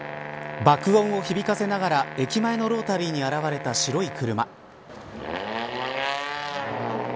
爆音を響かせながら駅前のロータリーに現れた白い車。